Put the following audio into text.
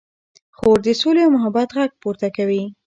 خور د سولې او محبت غږ پورته کوي.